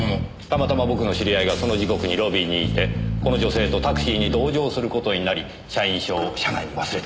たまたま僕の知り合いがその時刻にロビーにいてこの女性とタクシーに同乗する事になり社員証を車内に忘れていったそうです。